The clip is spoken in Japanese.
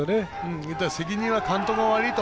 責任は、監督が悪いと。